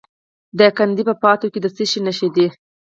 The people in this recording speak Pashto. د دایکنډي په پاتو کې د څه شي نښې دي؟